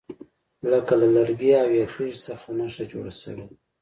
لکه له لرګي او یا تیږي څخه نښه جوړه شوې ده.